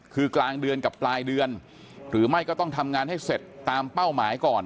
คือกลางเดือนกับปลายเดือนหรือไม่ก็ต้องทำงานให้เสร็จตามเป้าหมายก่อน